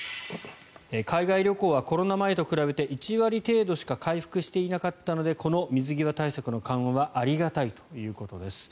海外旅行はコロナ前と比べて１割程度しか回復していなかったのでこの水際対策の緩和はありがたいということです。